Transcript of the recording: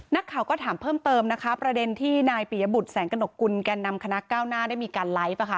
นักข่าวก็ถามเพิ่มเติมนะคะประเด็นที่นายปียบุตรแสงกระหนกกุลแก่นำคณะก้าวหน้าได้มีการไลฟ์